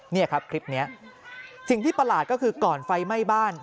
นี่ครับคลิปนี้สิ่งที่ประหลาดก็คือก่อนไฟไหม้บ้าน